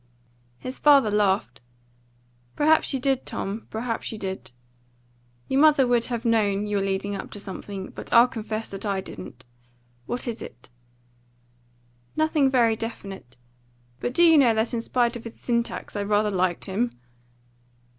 His father laughed. "Perhaps you did, Tom; perhaps you did. Your mother would have known you were leading up to something, but I'll confess that I didn't. What is it?" "Nothing very definite. But do you know that in spite of his syntax I rather liked him?"